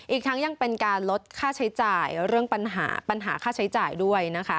อีกทั้งยังเป็นการลดค่าใช้จ่ายเรื่องปัญหาปัญหาค่าใช้จ่ายด้วยนะคะ